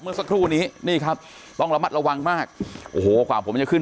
เมื่อสักครู่นี้นี่ครับต้องระมัดระวังมากโอ้โหกว่าผมจะขึ้น